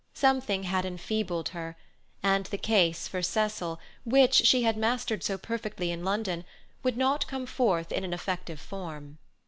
Something had enfeebled her, and the case for Cecil, which she had mastered so perfectly in London, would not come forth in an effective form.